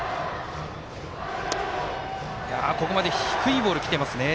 ここまで低いボールがきてますね。